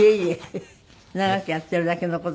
長くやっているだけの事です。